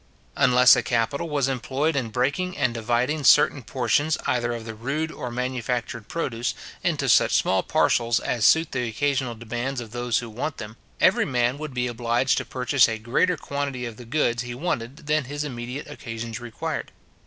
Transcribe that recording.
Unless a capital was employed in breaking and dividing certain portions either of the rude or manufactured produce into such small parcels as suit the occasional demands of those who want them, every man would be obliged to purchase a greater quantity of the goods he wanted than his immediate occasions required.